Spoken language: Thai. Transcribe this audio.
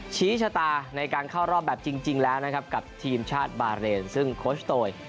ชี้ชะตาในการเข้ารอบแบบจริงแล้วนะครับกับทีมชาติบาเรนซึ่งโคชโตย